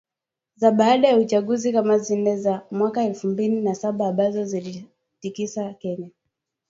za baada ya uchaguzi kama zile za mwaka elfu mbili na saba ambazo ziliitikisa Kenya